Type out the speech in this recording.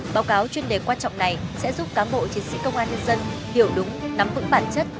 báo cáo chuyên đề quan trọng này sẽ giúp cán bộ chiến sĩ công an nhân dân hiểu đúng nắm vững bản chất